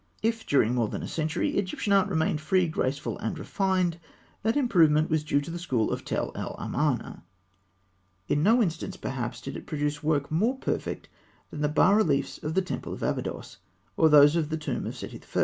If, during more than a century, Egyptian art remained free, graceful, and refined, that improvement was due to the school of Tell el Amarna. In no instance perhaps did it produce work more perfect than the bas reliefs of the temple of Abydos, or those of the tomb of Seti I.